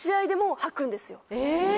え！